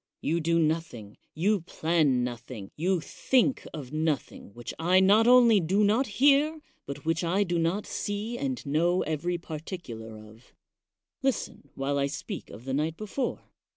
You do nothing, you plan nothing, you think of nothing which I not only do not hear, but which I do not see and know every particular of. Listen while I speak of the night before.